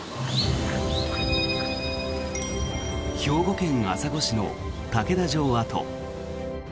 兵庫県朝来市の竹田城跡。